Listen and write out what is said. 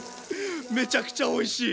めちゃくちゃおいしい！